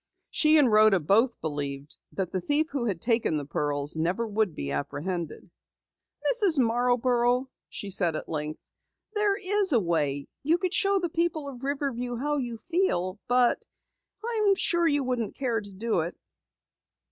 She and Rhoda both believed that the thief who had taken the pearls never would be apprehended. "Mrs. Marborough," she said at length, "there is a way you could show the people of Riverview how you feel but I'm sure you wouldn't care to do it."